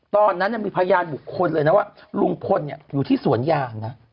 ตอนนั้นมีพยานบุคคลเลยนะว่าลุงพลอยู่ที่สวนยางนะ